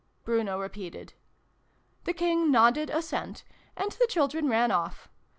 " Bruno repeated. The King nodded assent, and the children ran off.